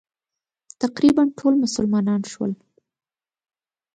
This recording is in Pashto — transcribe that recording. تقریباً ټول مسلمانان شول.